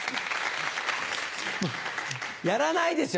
やらないですよ